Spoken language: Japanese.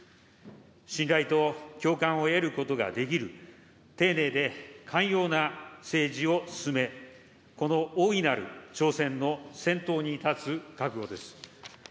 信頼と共感を得ることができる、丁寧で寛容な政治を進め、この大いなる挑戦の先頭に立つ覚悟です。